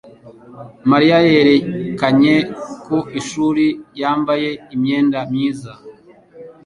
Mariya yerekanye ku ishuri yambaye imyenda myiza.